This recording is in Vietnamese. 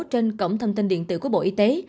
trên cổng thông tin điện tử của bộ y tế